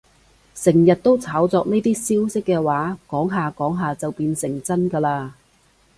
成日都炒作呢啲消息嘅話，講下講下就變成真㗎喇